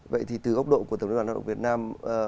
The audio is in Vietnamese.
vậy thì từ góc độ của tổng liên đoàn lao động việt nam